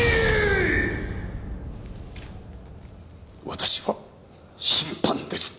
私は審判です。